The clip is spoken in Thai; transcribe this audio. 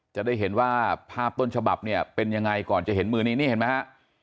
จะได้เห็นว่าภาพต้นฉบับเนี่ยเป็นยังไงก่อนจะเห็นมือนี้นี่เห็นไหมฮะ